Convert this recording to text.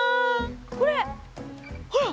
これほら。